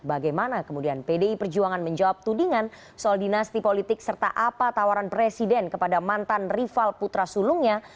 bagaimana kemudian pdi perjuangan menjawab tudingan soal dinasti politik serta apa tawaran presiden kepada mantan rival putra sulungnya